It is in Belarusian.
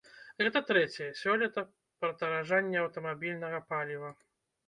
Гэта трэцяе сёлета падаражанне аўтамабільнага паліва.